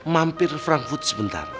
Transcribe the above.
mampir frankfurt sebentar